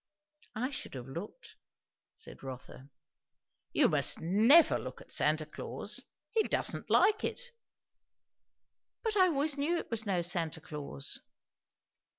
"I should have looked," said Rotha. "You must never look at Santa Claus. He don't like it." "But I always knew it was no Santa Claus."